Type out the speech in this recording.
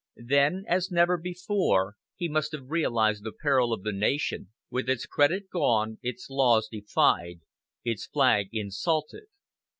Then, as never before, he must have realized the peril of the nation, with its credit gone, its laws defied, its flag insulted.